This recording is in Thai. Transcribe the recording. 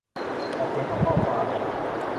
ออกเสียงข้อความ